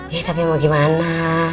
ya tapi mau gimana